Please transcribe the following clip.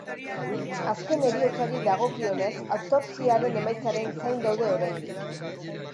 Azken heriotzari dagokionez, autopsiaren emaitzaren zain daude oraindik.